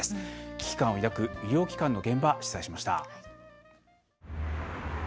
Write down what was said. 危機感を抱く医療機関の現場取材しました。